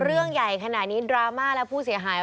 เรื่องใหญ่ขนาดนี้ดราม่าและผู้เสียหาย